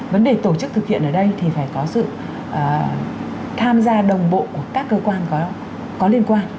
vấn đề tổ chức thực hiện ở đây thì phải có sự tham gia đồng bộ của các cơ quan có liên quan